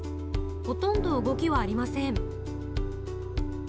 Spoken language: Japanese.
ほとんど動きはありません。